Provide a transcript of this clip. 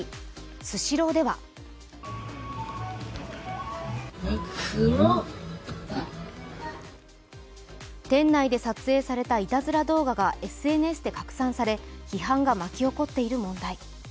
スシローでは店内で撮影されたいたずら動画がＳＮＳで拡散され批判が巻き起こっている問題。